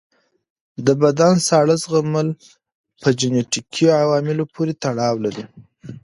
د بدن ساړه زغمل په جنیټیکي عواملو پورې تړاو لري.